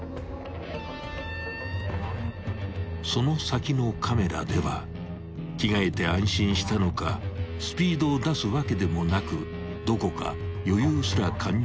［その先のカメラでは着替えて安心したのかスピードを出すわけでもなくどこか余裕すら感じさせる男］